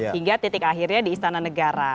hingga titik akhirnya di istana negara